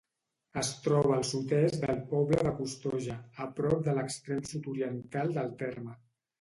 Es troba al sud-est del poble de Costoja, a prop de l'extrem sud-oriental del terme.